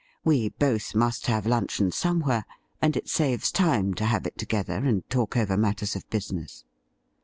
We both must have luncheon somewhere, and it saves time to have it together and talk over matters of business.'